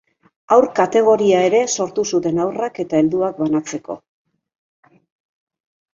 Haur-kategoria ere sortu zuten haurrak eta helduak banatzeko.